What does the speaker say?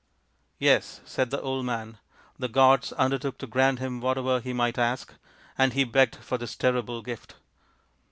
" Yes," said the old man, " the gods undertook to grant him whatever he might ask, and he begged for this terrible gift."